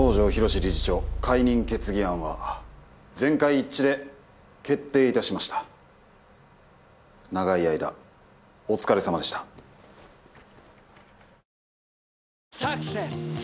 理事長解任決議案は全会一致で決定いたしました長い間お疲れさまでした「サクセス」